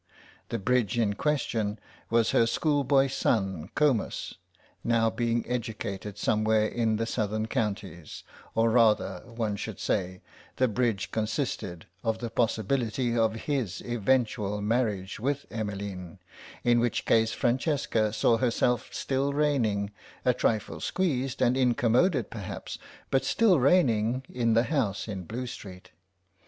The bridge in question was her schoolboy son Comus, now being educated somewhere in the southern counties, or rather one should say the bridge consisted of the possibility of his eventual marriage with Emmeline, in which case Francesca saw herself still reigning, a trifle squeezed and incommoded perhaps, but still reigning in the house in Blue Street.